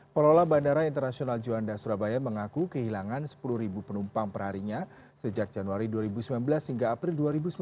pengelola bandara internasional juanda surabaya mengaku kehilangan sepuluh penumpang perharinya sejak januari dua ribu sembilan belas hingga april dua ribu sembilan belas